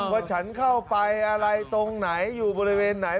ว่าฉันเข้าไปอะไรตรงไหนอยู่บริเวณไหน